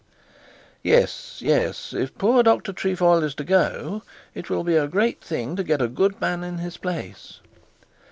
'Yes, yes. If poor Dr Trefoil is to go, it will be a great thing to get a good man in his place.'